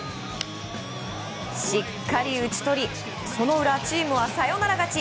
しっかり打ち取りその裏、チームはサヨナラ勝ち。